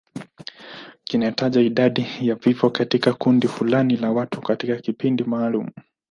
Kinataja idadi ya vifo katika kundi fulani la watu katika kipindi maalum.